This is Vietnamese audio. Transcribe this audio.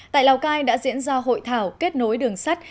tại lào cai đã diễn ra hội thảo kết nối đường sắt